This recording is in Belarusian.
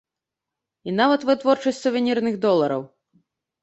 І нават вытворчасць сувенірных долараў.